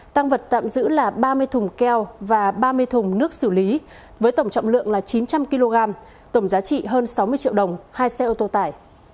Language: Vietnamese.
tăng vật tạm giữ là ba mươi thùng keo và ba mươi thùng nước xử lý với tổng trọng lượng là chín trăm linh kg tổng giá trị hơn sáu mươi triệu đồng hai xe ô tô tải